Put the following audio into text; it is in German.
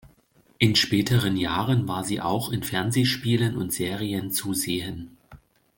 In späteren Jahren war sie auch in Fernsehspielen und Serien zu sehen.